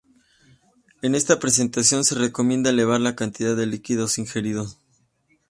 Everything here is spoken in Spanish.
En esta presentación se recomienda elevar la cantidad de líquidos ingeridos.